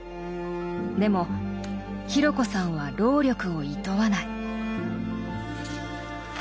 でも紘子さんは労力をいとわない。